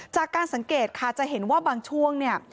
จากการสังเกตค่ะจะเห็นว่าบางช่วงเนี่ย